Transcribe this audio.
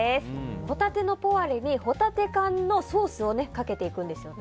ホタテのポワレにホタテ缶のソースをかけていくんですよね。